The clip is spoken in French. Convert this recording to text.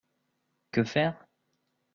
Que faire ?